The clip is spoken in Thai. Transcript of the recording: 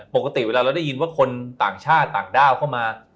ปกติเวลาเราได้ยินว่าคนต่างชาติต่างด้าวเข้ามา